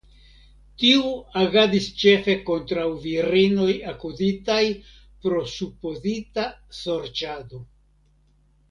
Tiu agadis ĉefe kontraŭ virinoj akuzitaj pro supozita sorĉado.